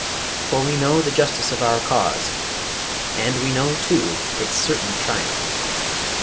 | For we know the justice of our cause, | and we know, too, its certain triumph.